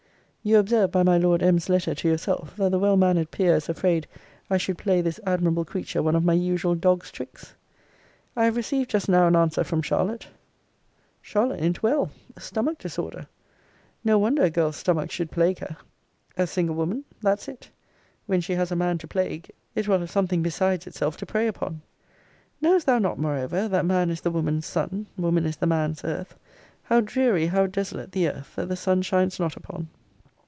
You observe by my Lord M.'s letter to yourself, that the well manner'd peer is afraid I should play this admirable creature one of my usual dog's tricks. I have received just now an answer from Charlotte. Charlot i'n't well. A stomach disorder! No wonder a girl's stomach should plague her. A single woman; that's it. When she has a man to plague, it will have something besides itself to prey upon. Knowest thou not moreover, that man is the woman's sun; woman is the man's earth? How dreary, how desolate, the earth, that the suns shines not upon!